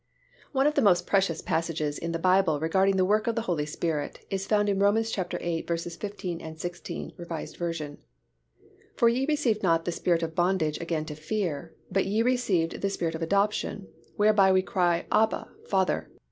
One of the most precious passages in the Bible regarding the work of the Holy Spirit is found in Rom. viii. 15, 16, R. V., "For ye received not the spirit of bondage again to fear; but ye received the spirit of adoption, whereby we cry Abba, Father.